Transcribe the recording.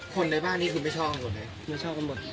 คนในบ้านนี้คือไม่ชอบกันหมดไหมไม่ชอบกันหมด